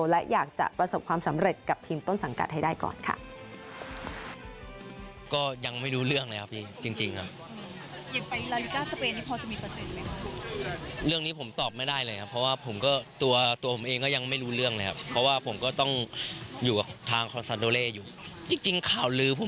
และอยากจะประสบความสำเร็จกับทีมต้นสังกัดให้ได้ก่อนค่ะ